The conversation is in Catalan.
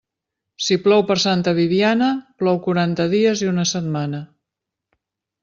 Si plou per Santa Bibiana, plou quaranta dies i una setmana.